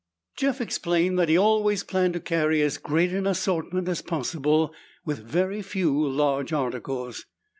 Jeff explained that he always planned to carry as great an assortment as possible, with very few large articles.